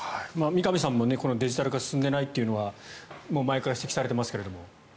三上さんもデジタル化が進んでいないというのは前から指摘されていますが。